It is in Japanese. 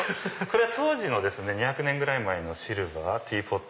これは当時の２００年ぐらい前のシルバー。